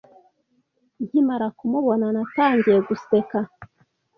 Nkimara kumubona, natangiye guseka.